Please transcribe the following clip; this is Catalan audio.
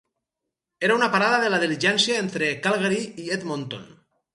Era una parada de la diligència entre Calgary i Edmonton.